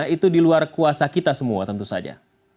itu diluar kuasa kita semua tentu saja